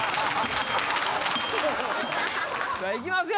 さあいきますよ。